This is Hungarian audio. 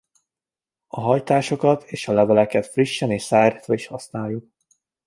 A hajtásokat és a leveleket frissen és szárítva is használjuk.